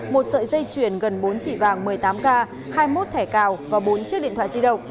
một sợi dây chuyền gần bốn chỉ vàng một mươi tám k hai mươi một thẻ cào và bốn chiếc điện thoại di động